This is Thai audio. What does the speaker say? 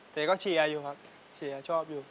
แต่ก็เชียร์อยู่ครับเชียร์ชอบอยู่